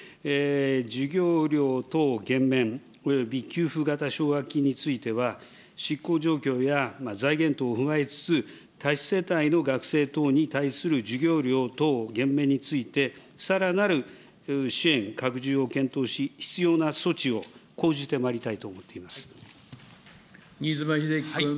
授業料等減免および給付型奨学金については、執行状況や財源等を踏まえつつ多子世帯の学生等に対する授業料等減免について、さらなる支援拡充を検討し、必要な措置を講じてま新妻秀規君。